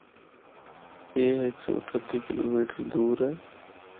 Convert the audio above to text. اے ہک سو اٹھتی کلومیڑ دور اے۔